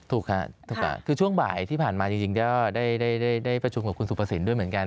ถูกครับคือช่วงบ่ายที่ผ่านมาจริงก็ได้ประชุมกับคุณสุภสินด้วยเหมือนกัน